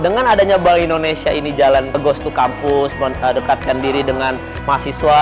dengan adanya bali indonesia ini jalan pegost to kampus mendekatkan diri dengan mahasiswa